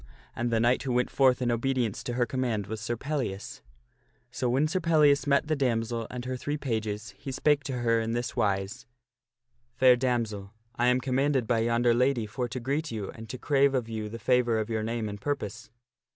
And the knight who went forth in obedience to her command was Sir Pellias. So when Sir Pellias met the damsel and her three pages, he spake to her sir Pellias * n *^ s wise : "Fair damsel, I am commanded by yonder taiketh with lady for to greet you and to crave of you the favor of your the damsel. ^^^ purpose."